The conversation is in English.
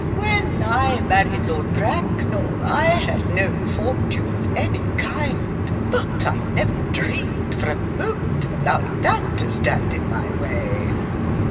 When I married Lord Bracknell I had no fortune of any kind. But I never dreamed for a moment of allowing that to stand in my way.